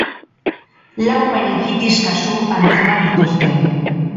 Lau meningitis kasu atzeman dituzte.